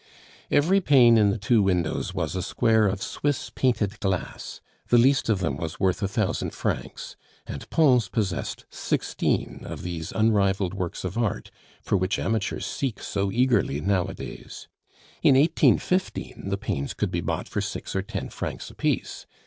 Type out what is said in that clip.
Every pane in the two windows was a square of Swiss painted glass; the least of them was worth a thousand francs; and Pons possessed sixteen of these unrivaled works of art for which amateurs seek so eagerly nowadays. In 1815 the panes could be bought for six or ten francs apiece.